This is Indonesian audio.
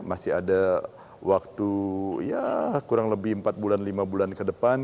masih ada waktu ya kurang lebih empat bulan lima bulan ke depan